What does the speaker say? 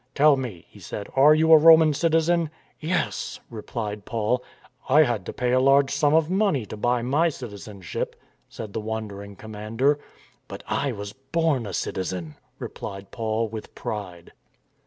"Tell me," he said, "are you a Roman citizen?" " Yes," replied Paul. " I had to pay a large sum of money to buy my citizenship," said the wondering commander. " But I was born a citizen," replied Paul with pride.